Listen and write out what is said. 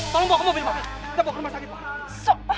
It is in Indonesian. tolong bawa ke mobil pak kita bawa ke rumah sakit pak